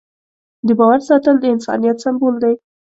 د باور ساتل د انسانیت سمبول دی.